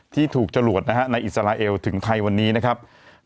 ที่ถูกจรวดนะฮะในอิสราเอลถึงไทยวันนี้นะครับ